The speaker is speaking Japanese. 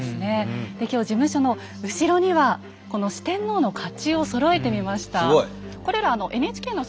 で今日事務所の後ろにはこの四天王の甲冑をそろえてみました。